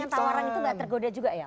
tapi tawaran itu gak tergoda juga ya